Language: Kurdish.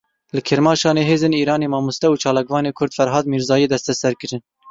Li Kirmaşanê hêzên Îranê mamoste û çalakvanê Kurd Ferhad Mîrzayî desteser kirin.